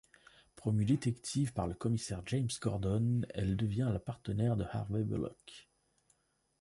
Promue détective par le commissaire James Gordon, elle devient la partenaire de Harvey Bullock.